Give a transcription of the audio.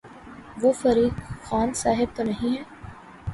وہ فریق خان صاحب تو نہیں ہیں۔